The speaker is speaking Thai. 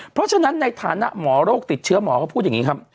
เพราะฉะนั้นในฐานะหมอโรคติดเชื้อหมอก็พูดอย่างนี้ครับ